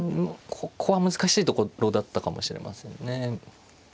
ここは難しいところだったかもしれませんね。